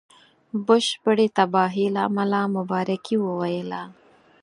بشپړي تباهی له امله مبارکي وویله.